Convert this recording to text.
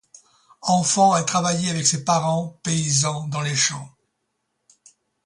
Enfant, elle travaillait avec ses parents, paysans, dans les champs.